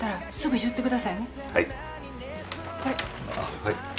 はい。